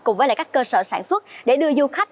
cùng với các cơ sở sản xuất để đưa du khách